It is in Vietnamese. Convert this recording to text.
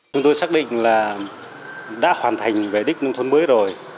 chúng tôi xác định là đã hoàn thành về đích nông thôn mới rồi